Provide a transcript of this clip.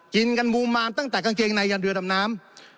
กินกันบูมานตั้งแต่กางเกงในยันเรือดำน้ำ